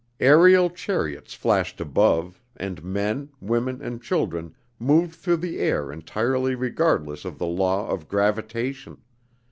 Aerial chariots flashed above, and men, women, and children moved through the air entirely regardless of the law of gravitation.